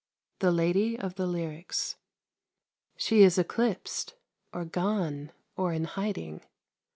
THE LADY OF THE LYRICS She is eclipsed, or gone, or in hiding.